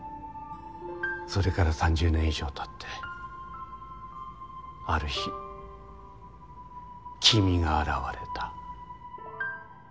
それから３０年以上経ってある日君が現れた。